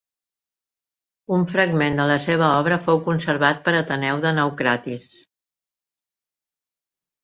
Un fragment de la seva obra fou conservat per Ateneu de Naucratis.